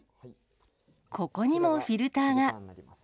ここにもフィルターが。